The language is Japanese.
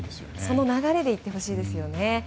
その流れで行ってほしいですよね。